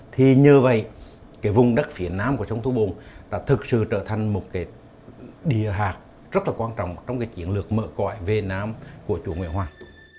thì nhờ vậy cái vùng đất phía nam của sông thu bồn đã thực sự trở thành một cái địa hạt rất là quan trọng trong cái chiến lược mở cõi về nam của chủ nguyễn hoàng